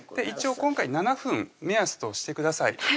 一応今回７分目安としてください